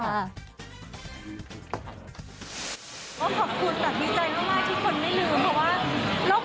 ขอบคุณแต่ดีใจมากที่คนไม่ลืม